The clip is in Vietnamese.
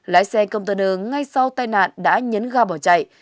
lái xe container ngay sau tai nạn đã nhấn ga bỏ chạy